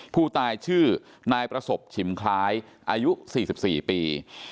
ผู้ตายชื่อนายประสบฉิมคล้ายอายุ๔๔ปี